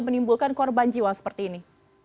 menimbulkan korban jiwa seperti ini